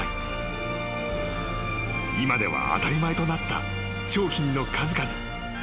［今では当たり前となった商品の数々］